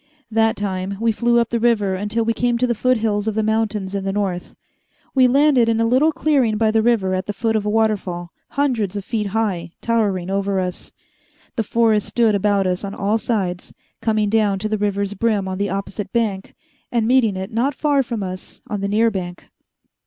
That time we flew up the river until we came to the foothills of the mountains in the north. We landed in a little clearing by the river at the foot of a waterfall hundreds of feet high, towering over us. The forest stood about us on all sides, coming down to the river's brim on the opposite bank and meeting it not far from us on the near bank.